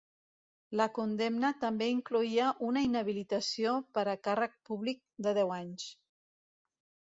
La condemna també incloïa una inhabilitació per a càrrec públic de deu anys.